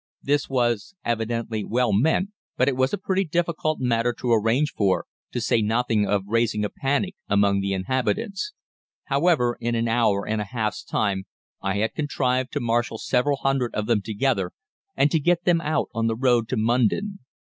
This was evidently well meant, but it was a pretty difficult matter to arrange for, to say nothing of raising a panic among the inhabitants. However, in an hour and a half's time I had contrived to marshal several hundred of them together, and to get them out on the road to Mundon.